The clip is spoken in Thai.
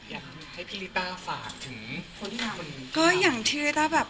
อยากให้พี่ริตาฝากถึงคนที่หากว่า